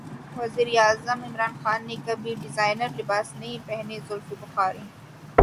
وزیراعظم عمران خان نے کبھی ڈیزائنر لباس نہیں پہنے زلفی بخاری